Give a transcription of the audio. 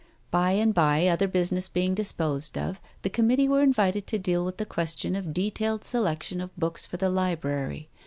By and by other business being disposed of, the Committee were invited to deal with the question of detailed selection of books for the Library.